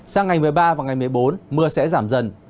sang ngày một mươi ba và ngày một mươi bốn mưa sẽ giảm dần